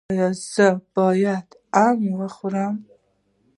ایا زه باید ام وخورم؟